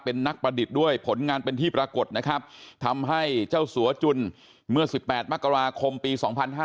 เป็นนักประดิษฐ์ด้วยผลงานเป็นที่ปรากฏนะครับทำให้เจ้าสัวจุนเมื่อ๑๘มกราคมปี๒๕๕๙